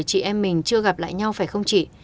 chị em mình chưa gặp lại nhau phải không chị